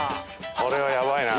これはやばいな！